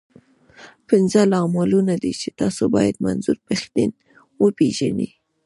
پنځه لاملونه دي، چې تاسو بايد منظور پښتين وپېژنئ.